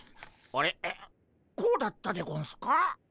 こうだったでゴンスか？